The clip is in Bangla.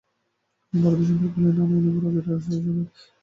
বরদাসুন্দরী কহিলেন, না না, এই রবিবারেই হয়ে যাবে।